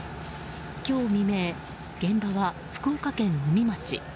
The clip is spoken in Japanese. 今日未明現場は福岡県宇美町。